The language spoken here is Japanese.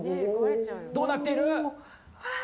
どうなっている？